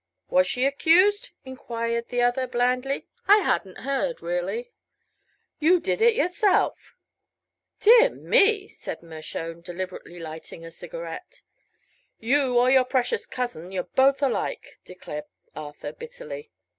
"Was she accused?" enquired the other, blandly. "I hadn't heard, really." "You did it yourself!" "Dear me!" said Mershone, deliberately lighting a cigarette. "You or your precious cousin you're both alike," declared Arthur, bitterly.